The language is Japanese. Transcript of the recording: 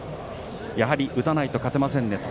やはり打たないと勝てませんねと。